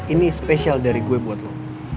ini spesial dari gue buat lo